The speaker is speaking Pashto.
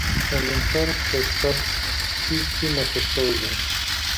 کاندنسر په سب سټیج کې نصب شوی دی.